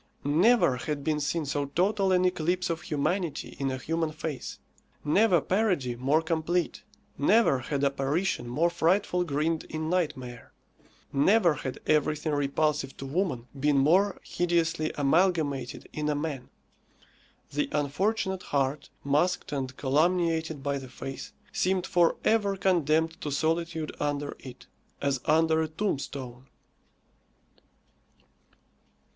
Never had been seen so total an eclipse of humanity in a human face; never parody more complete; never had apparition more frightful grinned in nightmare; never had everything repulsive to woman been more hideously amalgamated in a man. The unfortunate heart, masked and calumniated by the face, seemed for ever condemned to solitude under it, as under a tombstone.